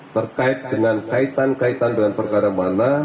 terkait dengan kaitan kaitan dengan perkara mana